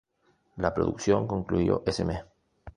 La producción concluyó ese mes.